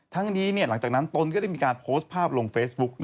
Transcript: ทั้งนี้หลังจากนั้นตนก็ได้มีการโพสต์ภาพลงเฟซบุ๊ก